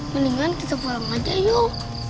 mendingan kita pulang aja yuk